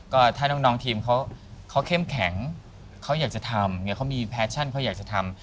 ก็ถ้าน้องทีมเขาเข้มแข็งเขาอยากจะทำเขามีแฟชั่นเขาอยากจะทำ